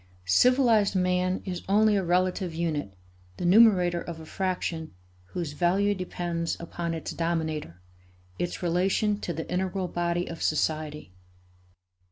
Civilized man is only a relative unit, the numerator of a fraction whose value depends upon its dominator, its relation to the integral body of society.